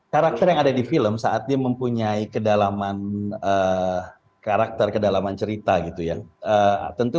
karakter yang ada di film saat dia mempunyai kedalaman karakter kedalaman cerita gitu ya tentu